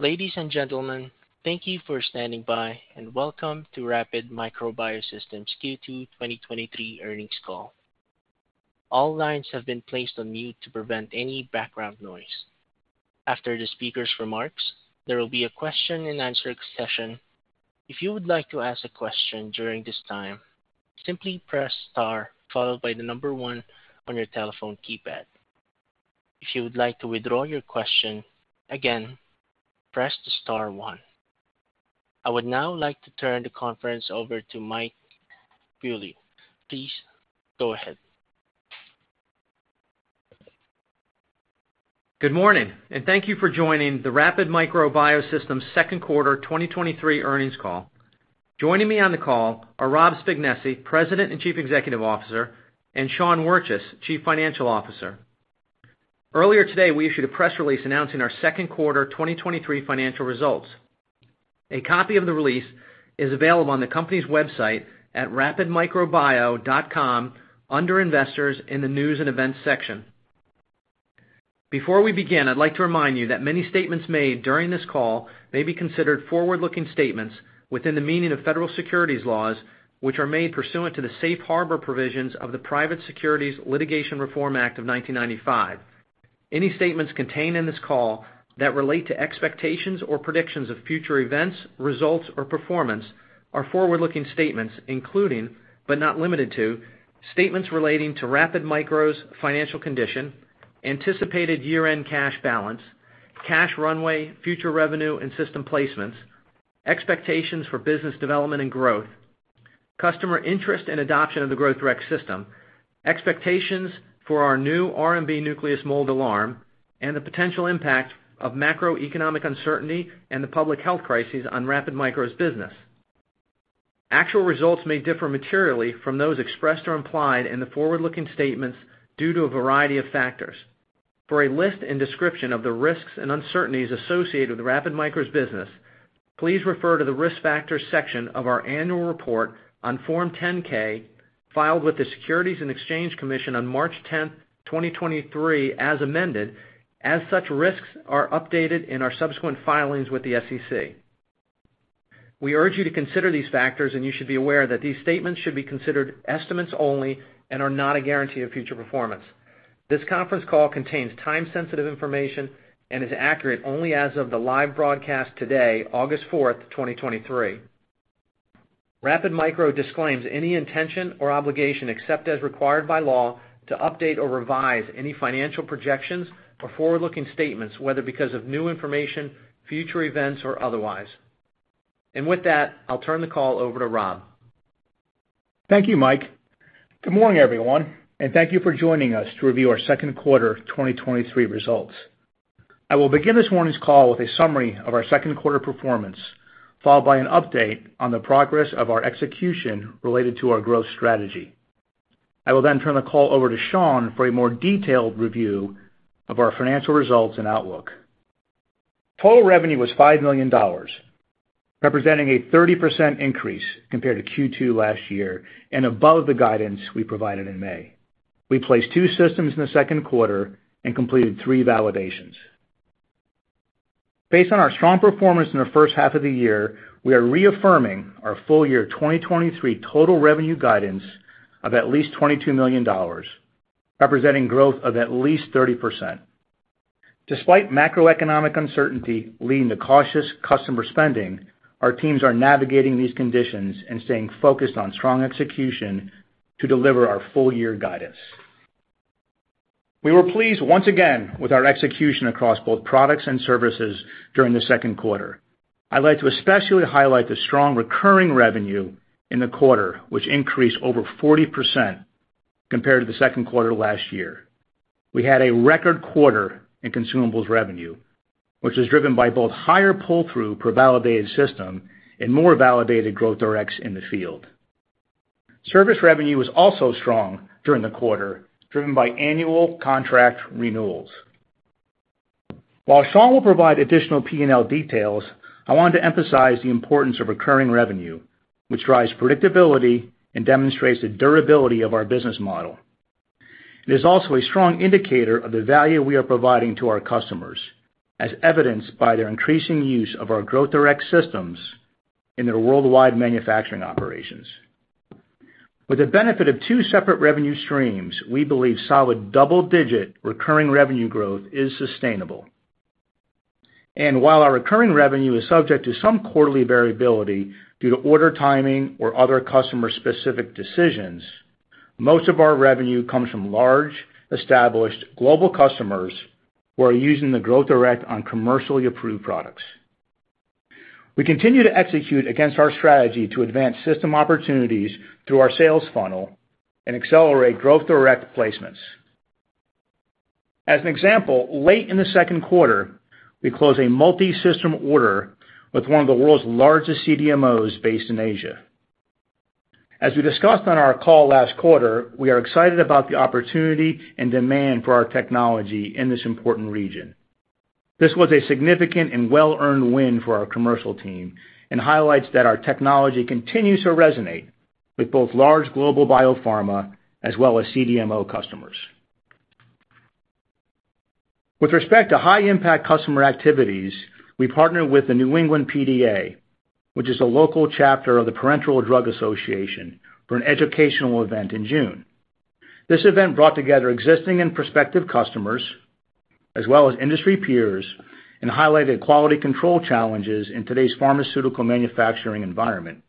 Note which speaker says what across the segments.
Speaker 1: Ladies and gentlemen, thank you for standing by and welcome to Rapid Micro Biosystems Q2 2023 earnings call. All lines have been placed on mute to prevent any background noise. After the speaker's remarks, there will be a question-and-answer session. If you would like to ask a question during this time, simply press Star, followed by the number one on your telephone keypad. If you would like to withdraw your question, again, press the star one. I would now like to turn the conference over to Mike Beaulieu Please go ahead.
Speaker 2: Good morning, and thank you for joining the Rapid Micro Biosystems second quarter 2023 earnings call. Joining me on the call are Rob Spignesi, President and Chief Executive Officer, and Sean Wirtjes, Chief Financial Officer. Earlier today, we issued a press release announcing our second quarter 2023 financial results. A copy of the release is available on the company's website at rapidmicrobio.com, under Investors, in the News and Events section. Before we begin, I'd like to remind you that many statements made during this call may be considered forward-looking statements within the meaning of federal securities laws, which are made pursuant to the Safe Harbor Provisions of the Private Securities Litigation Reform Act of 1995. Any statements contained in this call that relate to expectations or predictions of future events, results, or performance are forward-looking statements, including, but not limited to, statements relating to Rapid Micro's financial condition, anticipated year-end cash balance, cash runway, future revenue, and system placements, expectations for business development and growth, customer interest and adoption of the Growth Direct System, expectations for our new RMBNucleus Mold Alarm, and the potential impact of macroeconomic uncertainty and the public health crises on Rapid Micro's business. Actual results may differ materially from those expressed or implied in the forward-looking statements due to a variety of factors. For a list and description of the risks and uncertainties associated with Rapid Micro Biosystems' business, please refer to the Risk Factors section of our annual report on Form 10-K, filed with the Securities and Exchange Commission on March 10, 2023, as amended, as such risks are updated in our subsequent filings with the SEC. We urge you to consider these factors. You should be aware that these statements should be considered estimates only and are not a guarantee of future performance. This conference call contains time-sensitive information and is accurate only as of the live broadcast today, August 4, 2023. Rapid Micro Biosystems disclaims any intention or obligation, except as required by law, to update or revise any financial projections or forward-looking statements, whether because of new information, future events, or otherwise. With that, I'll turn the call over to Rob.
Speaker 3: Thank you, Mike. Good morning, everyone, and thank you for joining us to review our second quarter 2023 results. I will begin this morning's call with a summary of our second quarter performance, followed by an update on the progress of our execution related to our growth strategy. I will then turn the call over to Sean for a more detailed review of our financial results and outlook. Total revenue was $5 million, representing a 30% increase compared to Q2 last year and above the guidance we provided in May. We placed 2 systems in the second quarter and completed 3 validations. Based on our strong performance in the first half of the year, we are reaffirming our full-year 2023 total revenue guidance of at least $22 million, representing growth of at least 30%. Despite macroeconomic uncertainty leading to cautious customer spending, our teams are navigating these conditions and staying focused on strong execution to deliver our full-year guidance. We were pleased once again with our execution across both products and services during the second quarter. I'd like to especially highlight the strong recurring revenue in the quarter, which increased over 40% compared to the second quarter last year. We had a record quarter in consumables revenue, which was driven by both higher pull-through per validated system and more validated Growth Directs in the field. Service revenue was also strong during the quarter, driven by annual contract renewals. While Sean will provide additional P&L details, I want to emphasize the importance of recurring revenue, which drives predictability and demonstrates the durability of our business model. It is also a strong indicator of the value we are providing to our customers, as evidenced by their increasing use of our Growth Direct systems in their worldwide manufacturing operations. With the benefit of 2 separate revenue streams, we believe solid double-digit recurring revenue growth is sustainable. While our recurring revenue is subject to some quarterly variability due to order timing or other customer-specific decisions, most of our revenue comes from large, established global customers who are using the Growth Direct on commercially approved products. We continue to execute against our strategy to advance system opportunities through our sales funnel and accelerate Growth Direct placements. As an example, late in the second quarter, we closed a multi-system order with one of the world's largest CDMOs based in Asia. As we discussed on our call last quarter, we are excited about the opportunity and demand for our technology in this important region. This was a significant and well-earned win for our commercial team and highlights that our technology continues to resonate with both large global biopharma as well as CDMO customers. With respect to high impact customer activities, we partnered with the New England PDA, which is a local chapter of the Parenteral Drug Association, for an educational event in June. This event brought together existing and prospective customers, as well as industry peers, and highlighted quality control challenges in today's pharmaceutical manufacturing environment.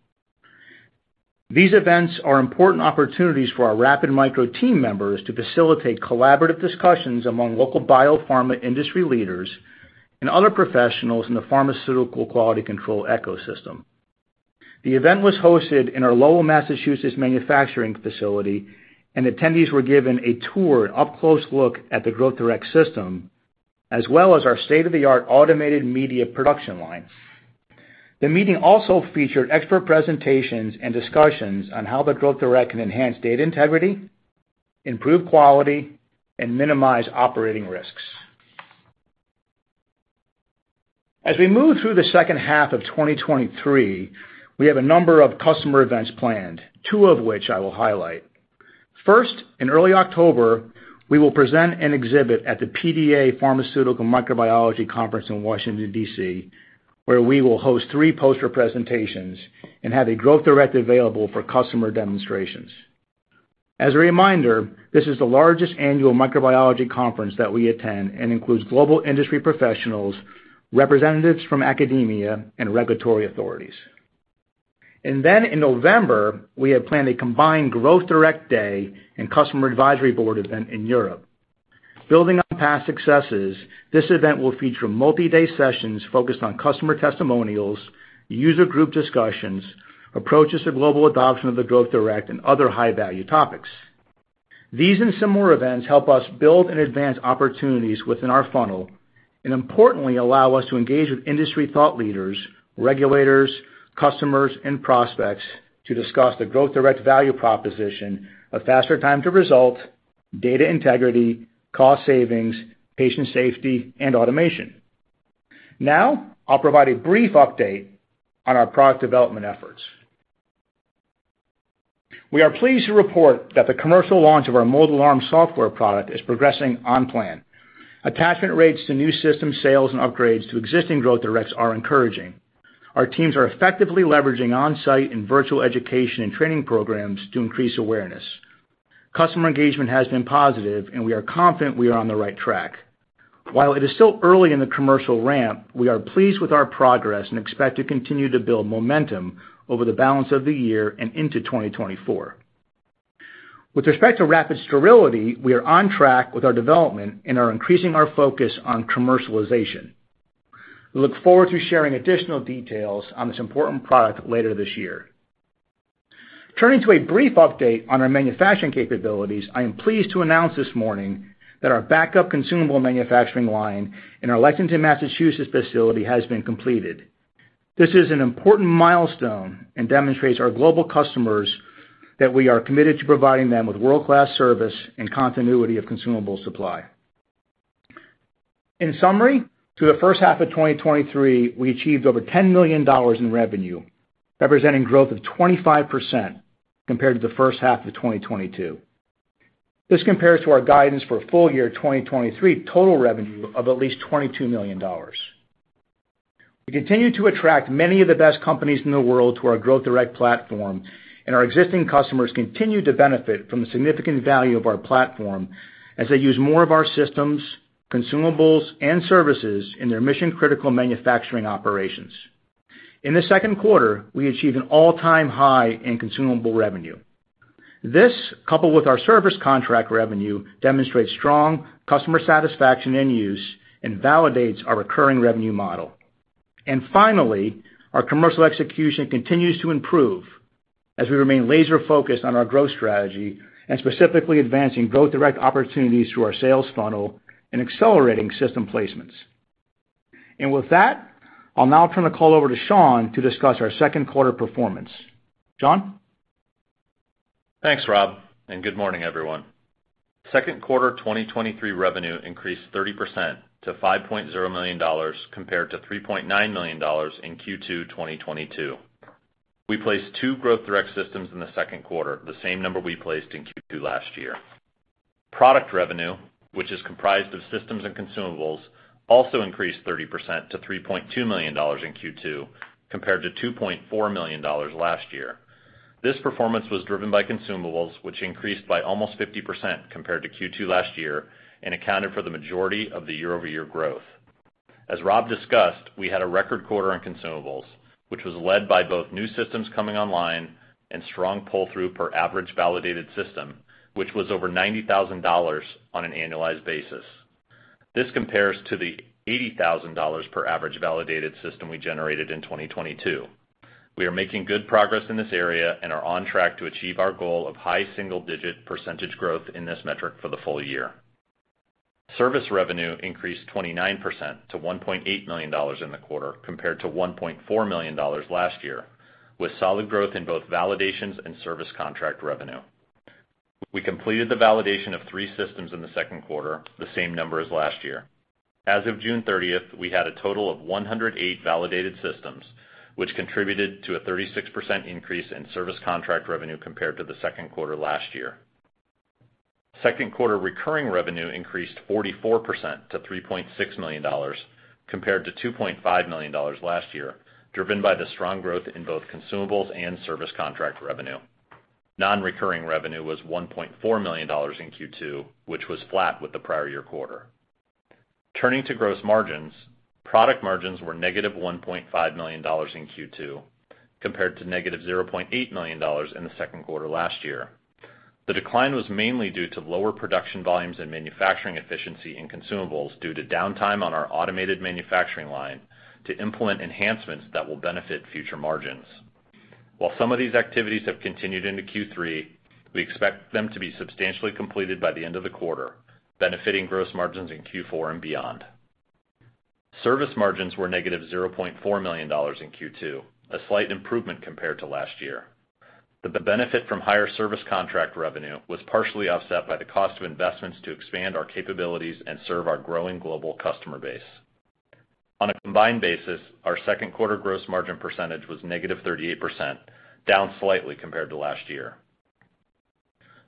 Speaker 3: These events are important opportunities for our Rapid Micro team members to facilitate collaborative discussions among local biopharma industry leaders and other professionals in the pharmaceutical quality control ecosystem. The event was hosted in our Lowell, Massachusetts, manufacturing facility, and attendees were given a tour, an up-close look at the Growth Direct System, as well as our state-of-the-art automated media production line. The meeting also featured expert presentations and discussions on how the Growth Direct can enhance data integrity, improve quality, and minimize operating risks. As we move through the second half of 2023, we have a number of customer events planned, two of which I will highlight. First, in early October, we will present an exhibit at the PDA Pharmaceutical Microbiology Conference in Washington, D.C., where we will host three poster presentations and have a Growth Direct available for customer demonstrations. As a reminder, this is the largest annual microbiology conference that we attend and includes global industry professionals, representatives from academia and regulatory authorities. Then in November, we have planned a combined Growth Direct day and customer advisory board event in Europe. Building on past successes, this event will feature multi-day sessions focused on customer testimonials, user group discussions, approaches to global adoption of the Growth Direct, and other high-value topics. These and similar events help us build and advance opportunities within our funnel and importantly, allow us to engage with industry thought leaders, regulators, customers, and prospects to discuss the Growth Direct value proposition of faster time to result, data integrity, cost savings, patient safety, and automation. Now, I'll provide a brief update on our product development efforts. We are pleased to report that the commercial launch of our Mold Alarm software product is progressing on plan. Attachment rates to new system sales and upgrades to existing Growth Directs are encouraging. Our teams are effectively leveraging on-site and virtual education and training programs to increase awareness. Customer engagement has been positive, and we are confident we are on the right track. While it is still early in the commercial ramp, we are pleased with our progress and expect to continue to build momentum over the balance of the year and into 2024. With respect to Rapid Sterility, we are on track with our development and are increasing our focus on commercialization. We look forward to sharing additional details on this important product later this year. Turning to a brief update on our manufacturing capabilities, I am pleased to announce this morning that our backup consumable manufacturing line in our Lexington, Massachusetts, facility has been completed. This is an important milestone and demonstrates our global customers that we are committed to providing them with world-class service and continuity of consumable supply. In summary, through the first half of 2023, we achieved over $10 million in revenue, representing growth of 25% compared to the first half of 2022. This compares to our guidance for full-year 2023, total revenue of at least $22 million. We continue to attract many of the best companies in the world to our Growth Direct platform, and our existing customers continue to benefit from the significant value of our platform as they use more of our systems, consumables, and services in their mission-critical manufacturing operations. In the second quarter, we achieved an all-time high in consumable revenue. This, coupled with our service contract revenue, demonstrates strong customer satisfaction and use and validates our recurring revenue model. Finally, our commercial execution continues to improve as we remain laser-focused on our growth strategy and specifically advancing Growth Direct opportunities through our sales funnel and accelerating system placements. With that, I'll now turn the call over to Sean to discuss our second quarter performance. Sean?
Speaker 4: Thanks, Rob. Good morning, everyone. Second quarter 2023 revenue increased 30% to $5.0 million, compared to $3.9 million in Q2 2022. We placed 2 Growth Direct systems in the second quarter, the same number we placed in Q2 last year. Product revenue, which is comprised of systems and consumables, also increased 30% to $3.2 million in Q2, compared to $2.4 million last year. This performance was driven by consumables, which increased by almost 50% compared to Q2 last year and accounted for the majority of the year-over-year growth. As Rob discussed, we had a record quarter on consumables, which was led by both new systems coming online and strong pull-through per average validated system, which was over $90,000 on an annualized basis. This compares to the $80,000 per average validated system we generated in 2022. We are making good progress in this area and are on track to achieve our goal of high single-digit percentage growth in this metric for the full-year. Service revenue increased 29% to $1.8 million in the quarter, compared to $1.4 million last year, with solid growth in both validations and service contract revenue. We completed the validation of three systems in the second quarter, the same number as last year. As of June 30th, we had a total of 108 validated systems, which contributed to a 36% increase in service contract revenue compared to the second quarter last year. Second quarter recurring revenue increased 44% to $3.6 million, compared to $2.5 million last year, driven by the strong growth in both consumables and service contract revenue. Nonrecurring revenue was $1.4 million in Q2, which was flat with the prior year quarter. Turning to gross margins, product margins were -$1.5 million in Q2, compared to -$0.8 million in the second quarter last year. The decline was mainly due to lower production volumes and manufacturing efficiency in consumables, due to downtime on our automated manufacturing line to implement enhancements that will benefit future margins. While some of these activities have continued into Q3, we expect them to be substantially completed by the end of the quarter, benefiting gross margins in Q4 and beyond. Service margins were -$0.4 million in Q2, a slight improvement compared to last year. The benefit from higher service contract revenue was partially offset by the cost of investments to expand our capabilities and serve our growing global customer base. On a combined basis, our second quarter gross margin percentage was -38%, down slightly compared to last year.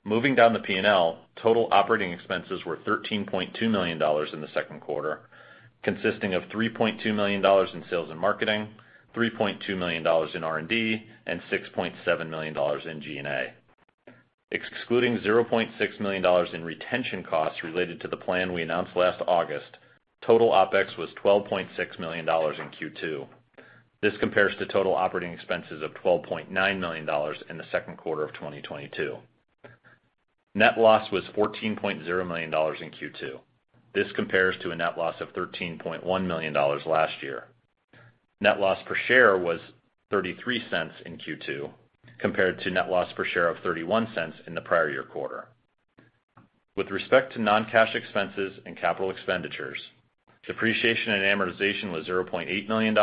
Speaker 4: Moving down the P&L, total operating expenses were $13.2 million in the second quarter, consisting of $3.2 million in sales and marketing, $3.2 million in R&D, and $6.7 million in G&A. Excluding $0.6 million in retention costs related to the plan we announced last August, total OpEx was $12.6 million in Q2. This compares to total operating expenses of $12.9 million in the second quarter of 2022. Net loss was $14.0 million in Q2. This compares to a net loss of $13.1 million last year. Net loss per share was $0.33 in Q2, compared to net loss per share of $0.31 in the prior year quarter. With respect to non-cash expenses and capital expenditures, depreciation and amortization was $0.8 million,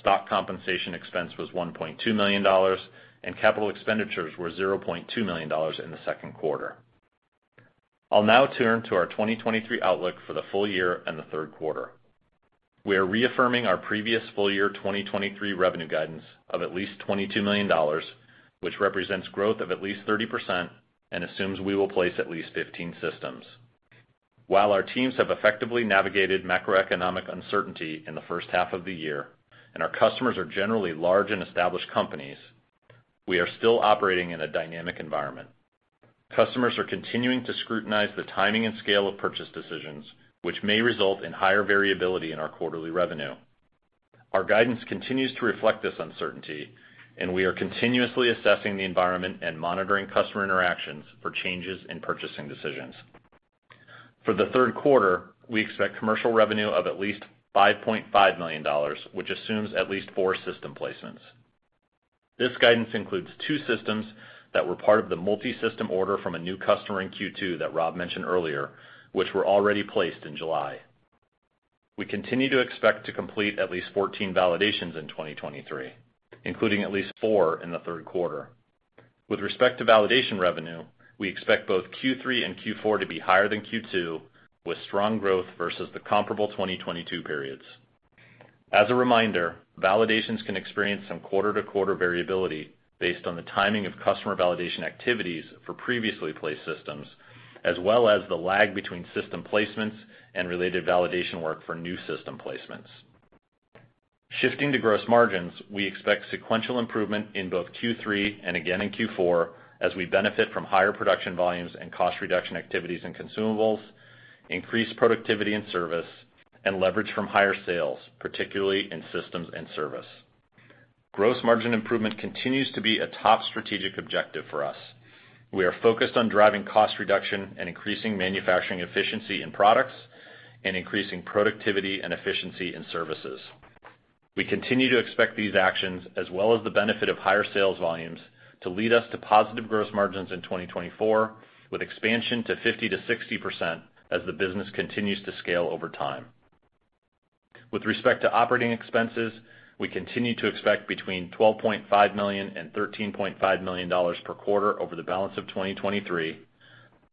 Speaker 4: stock compensation expense was $1.2 million, and capital expenditures were $0.2 million in the second quarter. I'll now turn to our 2023 outlook for the full-year and the third quarter. We are reaffirming our previous full-year 2023 revenue guidance of at least $22 million, which represents growth of at least 30% and assumes we will place at least 15 systems. While our teams have effectively navigated macroeconomic uncertainty in the first half of the year, and our customers are generally large and established companies, we are still operating in a dynamic environment. Customers are continuing to scrutinize the timing and scale of purchase decisions, which may result in higher variability in our quarterly revenue. Our guidance continues to reflect this uncertainty, and we are continuously assessing the environment and monitoring customer interactions for changes in purchasing decisions. For the third quarter, we expect commercial revenue of at least $5.5 million, which assumes at least four system placements. This guidance includes 2 systems that were part of the multisystem order from a new customer in Q2 that Rob mentioned earlier, which were already placed in July. We continue to expect to complete at least 14 validations in 2023, including at least 4 in the third quarter. With respect to validation revenue, we expect both Q3 and Q4 to be higher than Q2, with strong growth versus the comparable 2022 periods. As a reminder, validations can experience some quarter-to-quarter variability based on the timing of customer validation activities for previously placed systems, as well as the lag between system placements and related validation work for new system placements. Shifting to gross margins, we expect sequential improvement in both Q3 and again in Q4 as we benefit from higher production volumes and cost reduction activities in consumables, increased productivity and service, and leverage from higher sales, particularly in Systems and Service. Gross margin improvement continues to be a top strategic objective for us. We are focused on driving cost reduction and increasing manufacturing efficiency in products, and increasing productivity and efficiency in services. We continue to expect these actions, as well as the benefit of higher sales volumes, to lead us to positive gross margins in 2024, with expansion to 50%-60% as the business continues to scale over time. With respect to operating expenses, we continue to expect between $12.5 million and $13.5 million per quarter over the balance of 2023,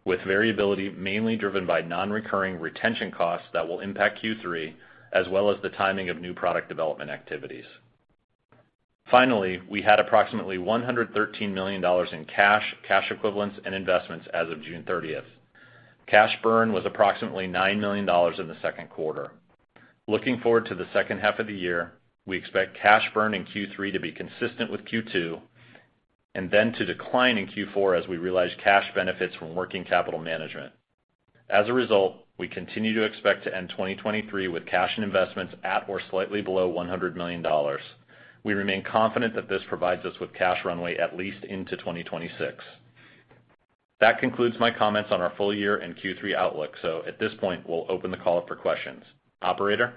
Speaker 4: with variability mainly driven by non-recurring retention costs that will impact Q3, as well as the timing of new product development activities. Finally, we had approximately $113 million in cash, cash equivalents, and investments as of June 30th. Cash burn was approximately $9 million in the second quarter. Looking forward to the second half of the year, we expect cash burn in Q3 to be consistent with Q2, and then to decline in Q4 as we realize cash benefits from working capital management. As a result, we continue to expect to end 2023 with cash and investments at or slightly below $100 million. We remain confident that this provides us with cash runway at least into 2026. That concludes my comments on our full-year and Q3 outlook. At this point, we'll open the call up for questions. Operator?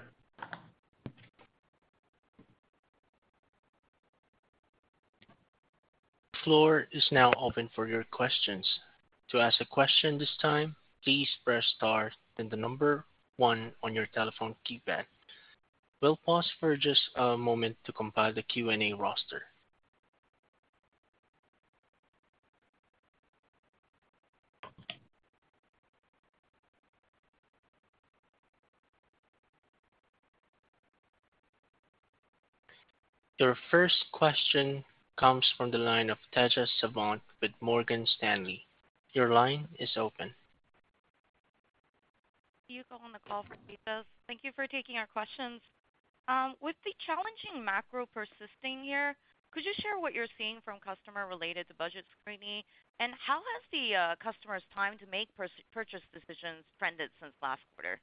Speaker 1: Floor is now open for your questions. To ask a question this time, please press Star, then the number one on your telephone keypad. We'll pause for just a moment to compile the Q&A roster. Your first question comes from the line of Tejas Savant with Morgan Stanley. Your line is open.
Speaker 5: Yuko on the call for Tejas. Thank you for taking our questions. With the challenging macro persisting here, could you share what you're seeing from customer related to budget scrutiny? How has the customer's time to make purchase decisions trended since last quarter?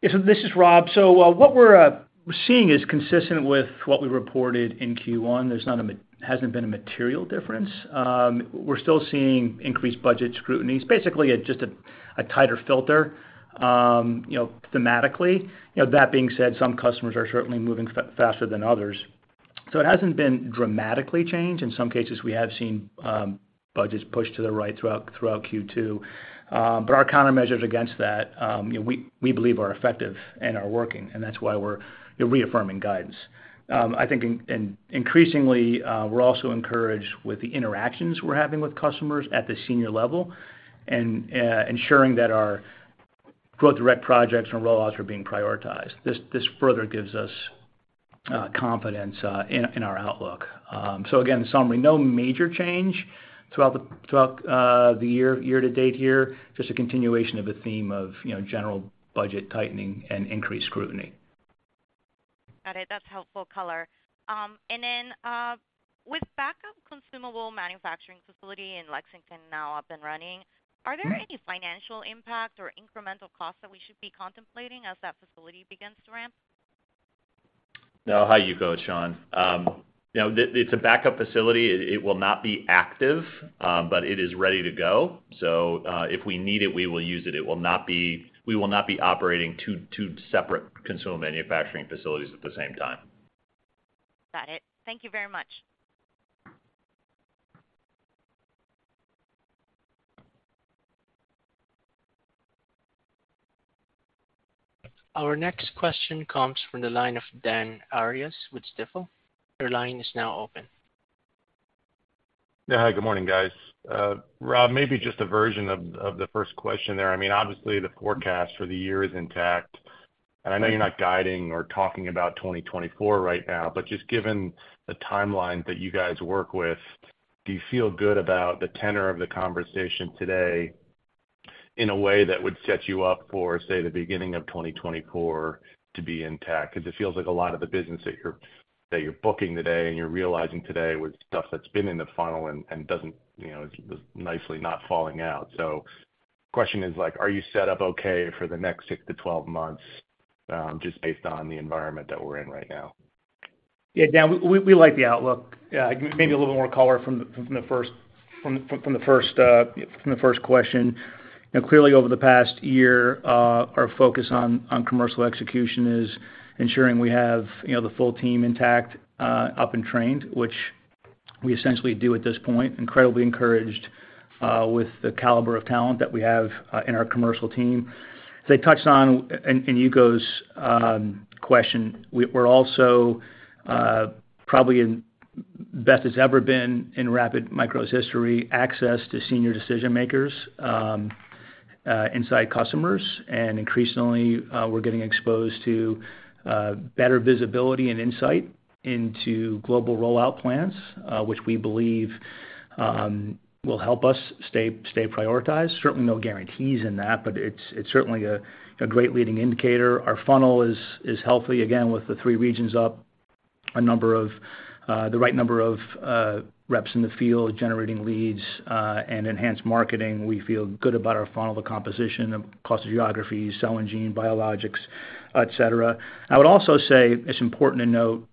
Speaker 3: Yeah, this is Rob. What we're seeing is consistent with what we reported in Q1. There's not a hasn't been a material difference. We're still seeing increased budget scrutiny. Basically, a just a, a tighter filter, you know, thematically. You know, that being said, some customers are certainly moving faster than others. It hasn't been dramatically changed. In some cases, we have seen budgets pushed to the right throughout, throughout Q2. Our countermeasures against that, you know, we, we believe are effective and are working, and that's why we're, you know, reaffirming guidance. I think increasingly, we're also encouraged with the interactions we're having with customers at the senior level, and ensuring that our Growth Direct projects and rollouts are being prioritized. This, this further gives us confidence in our outlook. Again, summary, no major change throughout the, throughout the year, year-to-date here, just a continuation of a theme of, you know, general budget tightening and increased scrutiny.
Speaker 5: Got it. That's helpful color. Then, with backup consumable manufacturing facility in Lexington now up and running, are there any financial impact or incremental costs that we should be contemplating as that facility begins to ramp?
Speaker 4: Hi, Yuko, it's Sean. You know, the- it's a backup facility. It, it will not be active, but it is ready to go. If we need it, we will use it. It will not be-- we will not be operating 2, 2 separate consumable manufacturing facilities at the same time.
Speaker 5: Got it. Thank you very much.
Speaker 1: Our next question comes from the line of Dan Arias with Stifel. Your line is now open.
Speaker 6: Yeah. Hi, good morning, guys. Rob, maybe just a version of, of the first question there. I mean, obviously, the forecast for the year is intact, and I know you're not guiding or talking about 2024 right now, but just given the timeline that you guys work with, do you feel good about the tenor of the conversation today in a way that would set you up for, say, the beginning of 2024 to be intact? Because it feels like a lot of the business that you're, that you're booking today and you're realizing today, was stuff that's been in the funnel and, and doesn't, you know, is nicely not falling out. The question is like, are you set up okay for the next 6-12 months, just based on the environment that we're in right now?
Speaker 3: Yeah, Dan, we, we like the outlook. Yeah, maybe a little more color from the first question. You know, clearly, over the past year, our focus on, on commercial execution is ensuring we have, you know, the full team intact, up and trained, which we essentially do at this point. Incredibly encouraged, with the caliber of talent that we have, in our commercial team. As I touched on in, in Yuko's question, we're also probably in best it's ever been in Rapid Micro's history, access to senior decision-makers, inside customers, and increasingly, we're getting exposed to better visibility and insight into global rollout plans, which we believe will help us stay, stay prioritized. Certainly, no guarantees in that, but it's certainly a great leading indicator. Our funnel is healthy, again, with the three regions up, a number of the right number of reps in the field generating leads and enhanced marketing. We feel good about our funnel, the composition of cost of geographies, cell and gene, biologics, et cetera. I would also say it's important to note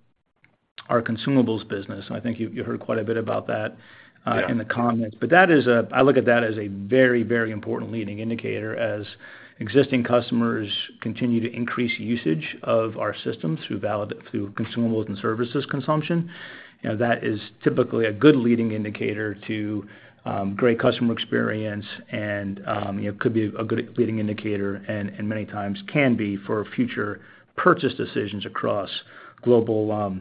Speaker 3: our consumables business, and I think you heard quite a bit about that.
Speaker 6: Yeah
Speaker 3: In the comments. That is a-- I look at that as a very, very important leading indicator as existing customers continue to increase usage of our systems through consumables and services consumption. You know, that is typically a good leading indicator to great customer experience and, you know, could be a good leading indicator, and many times can be for future purchase decisions across global,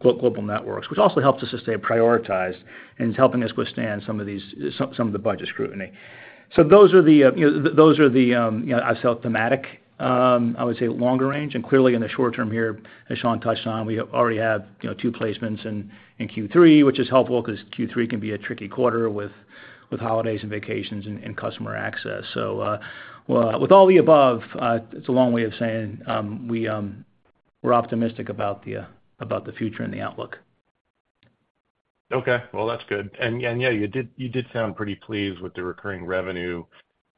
Speaker 3: global networks, which also helps us to stay prioritized and is helping us withstand some of these, some of the budget scrutiny. Those are the, you know, those are the, you know, I'd say, thematic, I would say, longer range, and clearly in the short term here, as Sean touched on, we already have, you know, two placements in, in Q3, which is helpful because Q3 can be a tricky quarter with, with holidays and vacations and, and customer access. Well, with all the above, it's a long way of saying, we, we're optimistic about the, about the future and the outlook.
Speaker 6: Okay. Well, that's good. And, yeah, you did, you did sound pretty pleased with the recurring revenue.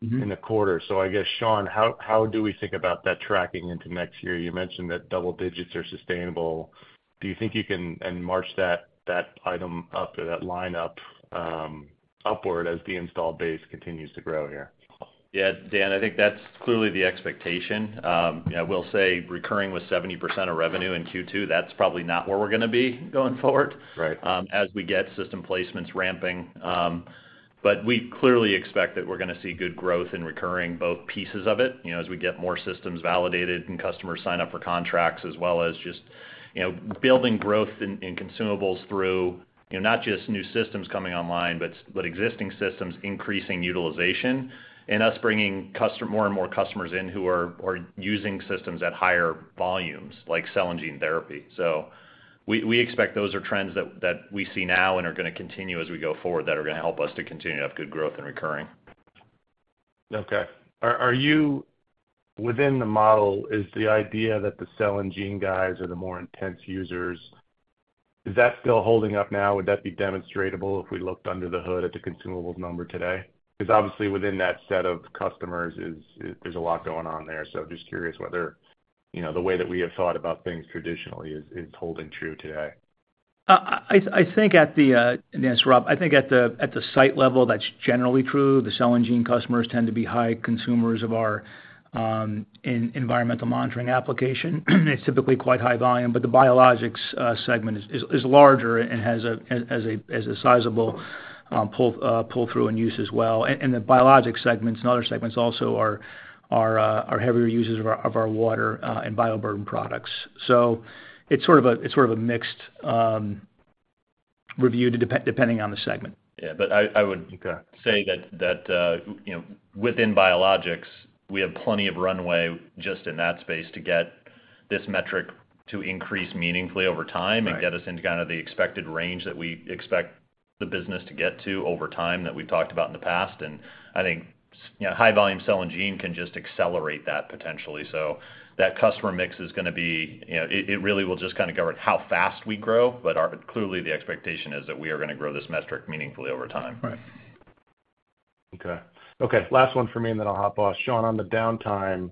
Speaker 6: In the quarter. I guess, Sean, how, how do we think about that tracking into next year? You mentioned that double digits are sustainable. Do you think you can... and march that, that item up or that line up, upward as the installed base continues to grow here?
Speaker 4: Yeah, Dan, I think that's clearly the expectation. Yeah, we'll say recurring with 70% of revenue in Q2, that's probably not where we're gonna be going forward.
Speaker 6: Right.
Speaker 4: As we get system placements ramping, but we clearly expect that we're gonna see good growth in recurring, both pieces of it, you know, as we get more systems validated and customers sign up for contracts, as well as just, you know, building growth in, in consumables through, you know, not just new systems coming online, but, but existing systems increasing utilization, and us bringing more and more customers in who are, are using systems at higher volumes, like cell and gene therapy. We, we expect those are trends that, that we see now and are gonna continue as we go forward, that are gonna help us to continue to have good growth in recurring.
Speaker 6: Okay. Within the model, is the idea that the Cell and gene guys are the more intense users, is that still holding up now? Would that be demonstratable if we looked under the hood at the consumables number today? Because obviously, within that set of customers there's a lot going on there. Just curious whether, you know, the way that we have thought about things traditionally is, is holding true today.
Speaker 3: I, I think at the, and this is Rob, I think at the, at the site level, that's generally true. The cell and gene customers tend to be high consumers of our environmental monitoring application. It's typically quite high volume, but the biologics segment is, is, is larger and has a, as a, as a sizable pull, pull-through and use as well. The biologics segments and other segments also are, are, are heavier users of our, of our water, and bioburden products. It's sort of a, it's sort of a mixed review, depending on the segment.
Speaker 4: Yeah, but I, I would-
Speaker 6: Okay.
Speaker 4: say that, that, you know, within biologics, we have plenty of runway just in that space to get this metric to increase meaningfully over time.
Speaker 6: Right
Speaker 4: Get us into kind of the expected range that we expect the business to get to over time, that we've talked about in the past. I think, you know, high volume cell and gene can just accelerate that potentially. That customer mix is gonna be, you know, it really will just kind of govern how fast we grow, but clearly, the expectation is that we are gonna grow this metric meaningfully over time.
Speaker 6: Right. Okay. Okay, last one for me, and then I'll hop off. Sean, on the downtime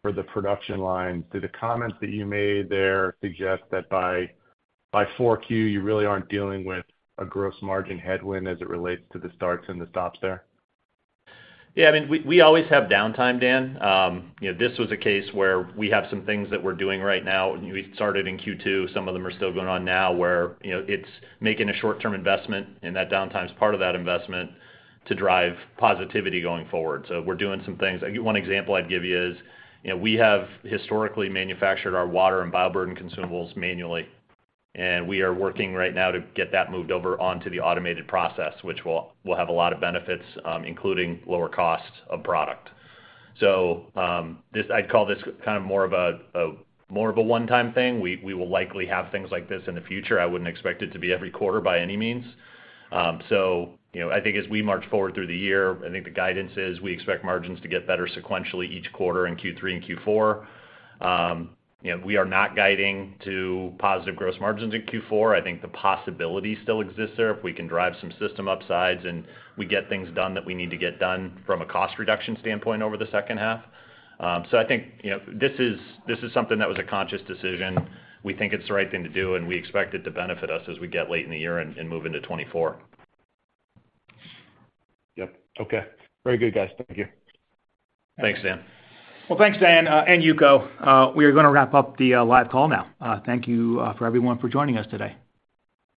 Speaker 6: for the production line, do the comments that you made there suggest that by 4Q, you really aren't dealing with a gross margin headwind as it relates to the starts and the stops there?
Speaker 4: Yeah, I mean, we, we always have downtime, Dan. You know, this was a case where we have some things that we're doing right now, we started in Q2, some of them are still going on now, where, you know, it's making a short-term investment, and that downtime is part of that investment, to drive positivity going forward. We're doing some things. One example I'd give you is, you know, we have historically manufactured our water and bioburden consumables manually, and we are working right now to get that moved over onto the automated process, which will, will have a lot of benefits, including lower costs of product. This, I'd call this kind of more of a, a, more of a one-time thing. We, we will likely have things like this in the future. I wouldn't expect it to be every quarter by any means. So you know, I think as we march forward through the year, I think the guidance is we expect margins to get better sequentially each quarter in Q3 and Q4. You know, we are not guiding to positive gross margins in Q4. I think the possibility still exists there, if we can drive some system upsides, and we get things done that we need to get done from a cost reduction standpoint over the second half. So I think, you know, this is, this is something that was a conscious decision. We think it's the right thing to do, and we expect it to benefit us as we get late in the year and, and move into 2024.
Speaker 6: Yep. Okay. Very good, guys. Thank you.
Speaker 4: Thanks, Dan.
Speaker 3: Well, thanks, Dan, and Yuko. We are gonna wrap up the live call now. Thank you for everyone for joining us today.